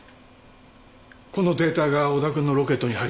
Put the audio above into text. このデータが小田君のロケットに入ってたんですか？